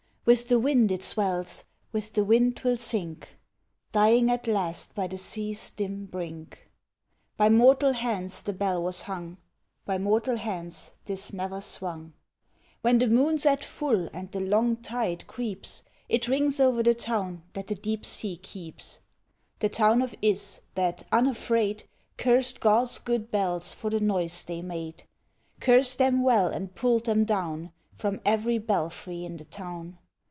With the wind it swells, with the wind 'twill sink, Dying at last by the sea's dim brink. By mortal hands the bell was hung By mortal hands 'tis never swung. When the moon's at full and the long tide creeps It rings o'er the town that the deep sea keeps The town of Ys, that, unafraid, Cursed God's good bells for the noise they made, Cursed them well and pulled them down From every belfry in the town!